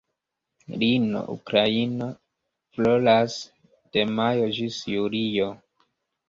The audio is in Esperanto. Lino ukraina floras de majo ĝis julio.